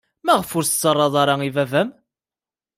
Maɣef ur as-tettarraḍ i baba-m?